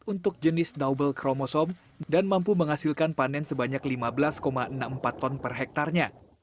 untuk jenis double kromosom dan mampu menghasilkan panen sebanyak lima belas enam puluh empat ton per hektarnya